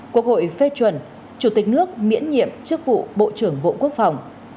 quốc hội phê chuẩn chủ tịch nước miễn nhiệm chức vụ bộ trưởng bộ quốc phòng